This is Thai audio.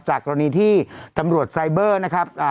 กรณีที่ตำรวจไซเบอร์นะครับ